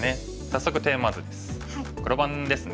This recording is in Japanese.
早速テーマ図です。